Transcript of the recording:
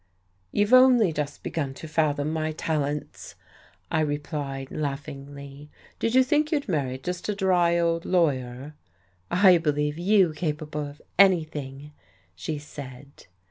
"You've only just begun to fathom my talents," I replied laughingly. "Did you think you'd married just a dry old lawyer?" "I believe you capable of anything," she said....